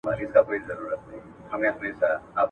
پارلمان سرحدي امنیت نه کمزوری کوي.